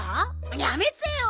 やめてよ。